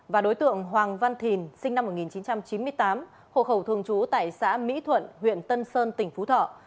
và đối tượng hoàng văn thìn sinh năm một nghìn chín trăm chín mươi tám hộ khẩu thường trú tại xã mỹ thuận huyện tân sơn tỉnh phú thọ